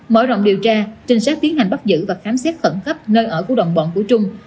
mở rộng điều tra trinh sát tiến hành bắt giữ và khám xét khẩn cấp nơi ở của đồng bọn của trung